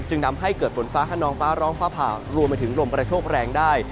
ทำให้เกิดฝนฟ้าขนองฟ้าร้องฟ้าผ่ารวมไปถึงลมกระโชคแรงได้